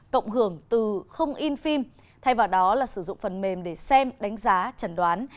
cộng hưởng từ không in phim thay vào đó là sử dụng phần mềm để xem đánh giá trần đoán